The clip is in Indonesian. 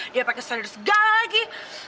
dia pake standard segala lagi